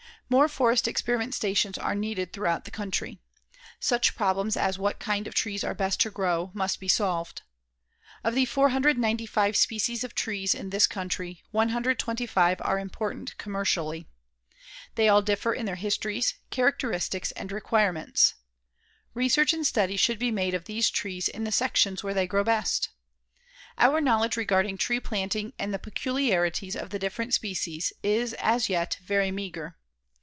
More forest experiment stations are needed throughout the country. Such problems as what kinds of trees are best to grow, must be solved. Of the 495 species of trees in this country, 125 are important commercially. They all differ in their histories, characteristics and requirements. Research and study should be made of these trees in the sections where they grow best. Our knowledge regarding tree planting and the peculiarities of the different species is, as yet, very meagre.